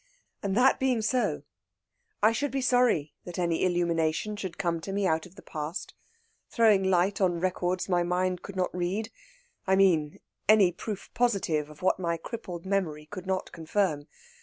And that being so, I should be sorry that any illumination should come to me out of the past, throwing light on records my mind could not read I mean, any proof positive of what my crippled memory could not confirm.